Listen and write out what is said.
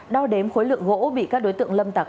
đo đếm khối lượng gỗ bị các đối tượng lâm tặ